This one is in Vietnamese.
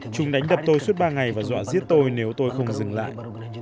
chúng đánh gặp tôi suốt ba ngày và dọa giết tôi nếu tôi không dừng lại